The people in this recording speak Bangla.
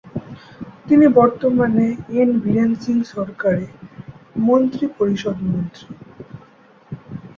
তিনি বর্তমানে এন বীরেন সিং সরকারে মন্ত্রিপরিষদ মন্ত্রী।